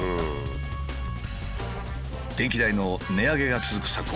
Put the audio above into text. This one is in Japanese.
電気代の値上げが続く昨今